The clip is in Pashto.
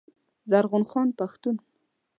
زرغون خان پښتون